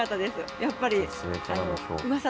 やっぱり。